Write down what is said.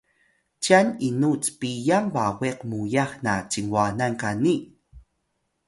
cyan inu cpiyang bawiq muyax na cinbwanan qani?